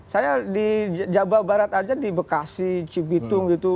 saya di jawa barat aja di bekasi cibitung gitu